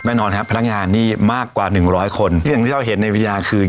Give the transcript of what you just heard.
แน่นอนครับพนักงานนี่มากกว่าหนึ่งร้อยคนอย่างที่เราเห็นในวิทยาคือ